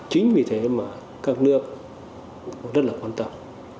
chính vì thế mà các nước rất là quan trọng